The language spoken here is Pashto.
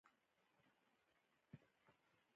په بد حالت کې د بدتر کیدو ویره وي.